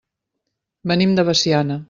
Venim de Veciana.